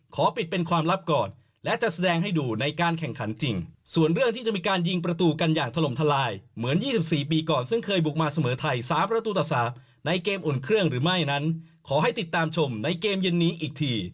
เกมอุ่นเครื่องหรือไม่นั้นขอให้ติดตามชมในเกมเย็นนี้อีกที